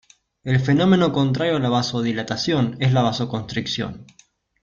El fenómeno contrario a la vasodilatación es la vasoconstricción.